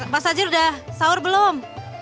mas hajir udah sahur belum